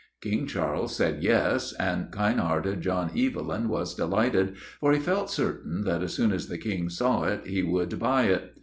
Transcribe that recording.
King Charles said 'Yes,' and kind hearted John Evelyn was delighted, for he felt certain that as soon as the King saw it he would buy it.